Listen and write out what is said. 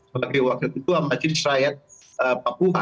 sebagai wakil ketua majelis rakyat papua